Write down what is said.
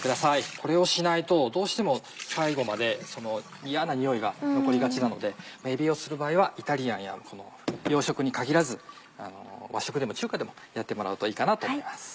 これをしないとどうしても最後まで嫌なにおいが残りがちなのでえびをする場合はイタリアンや洋食に限らず和食でも中華でもやってもらうといいかなと思います。